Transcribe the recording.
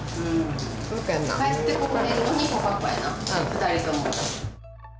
２人とも。